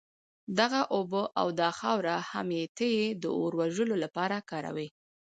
دغه اوبه او دا خاوره هم چي ته ئې د اور وژلو لپاره كاروې